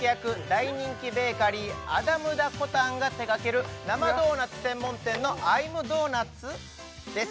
大人気ベーカリーアマムダコタンが手がける生ドーナツ専門店のアイムドーナツ？です